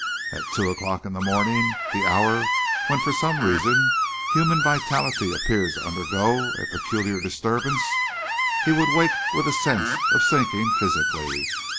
At two o'clock in the morning, the hour when for some reason human vitality appears to undergo a peculiar disturbance, he would wake with a sense of sinking physically.